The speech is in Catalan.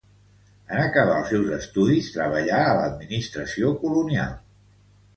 En acabar els seus estudis, treballa a l'administració colonial.